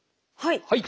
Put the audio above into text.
はい！